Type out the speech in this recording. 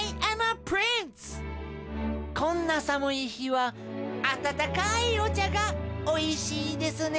こんなさむい日はあたたかいおちゃがおいしいですね。